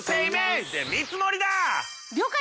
了解！